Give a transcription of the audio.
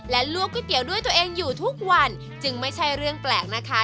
และลวกก๋วยเตี๋ยวด้วยตัวเองอยู่ทุกวันจึงไม่ใช่เรื่องแปลกนะคะ